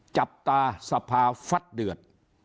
จับตาสภาฟัดเดือด